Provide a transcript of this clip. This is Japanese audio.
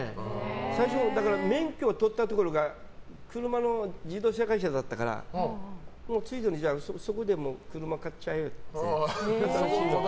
最初、免許を取ったところが車の自動車会社だったからついでにそこで車買っちゃえって。